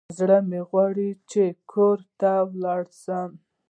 زړه مي غواړي چي کور ته ولاړ سم.